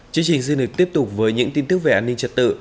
chương trình xin được tiếp tục với những tin tức về an ninh trật tự